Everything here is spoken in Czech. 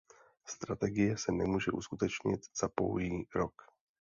Strategie se nemůže uskutečnit za pouhý rok.